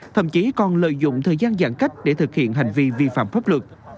thậm chí còn lợi dụng thời gian giãn cách để thực hiện hành vi vi phạm pháp luật